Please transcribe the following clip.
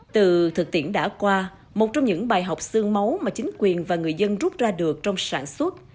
từ thực tiễn đã qua một trong những bài học sương máu mà chính quyền và người dân rút ra được trong sản xuất